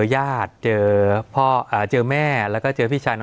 สวัสดีครับทุกผู้ชม